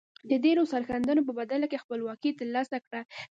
د ډیرو سرښندنو په بدله کې خپلواکي تر لاسه کړه.